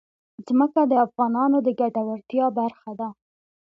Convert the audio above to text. ځمکه د افغانانو د ګټورتیا برخه ده.